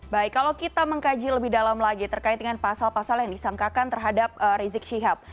baik kalau kita mengkaji lebih dalam lagi terkait dengan pasal pasal yang disangkakan terhadap rizik syihab